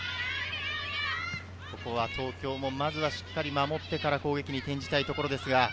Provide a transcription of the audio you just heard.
東京もまずはしっかり守ってから攻撃に転じたいところです。